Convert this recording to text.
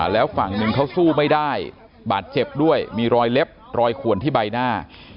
แล้วฝั่งหนึ่งเขาสู้ไม่ได้บาดเจ็บด้วยมีรอยเล็บรอยขวนที่ใบหน้า